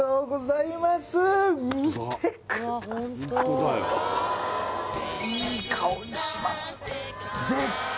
いい香りします絶景！